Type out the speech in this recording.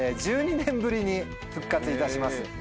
１２年ぶりに復活いたします。